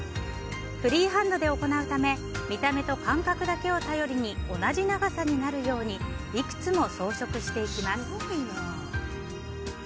フリーハンドで行うため見た目と感覚だけを頼りに同じ長さになるようにいくつも装飾していきます。